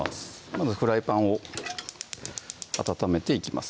まずフライパンを温めていきます